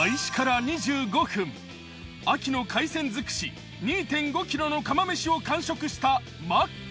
秋の海鮮尽くし２．５ｋｇの釜飯を完食したＭＡＸ。